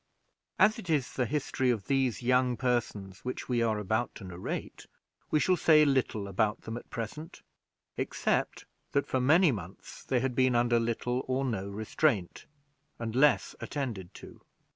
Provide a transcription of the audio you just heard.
As it is the history of these young persons which we are about to narrate, we shall say little about them at present, except that for many months they had been under little or no restraint, and less attended to.